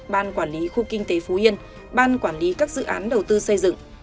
ban quản lý khu kinh tế phú yên ban quản lý các dự án đầu tư xây dựng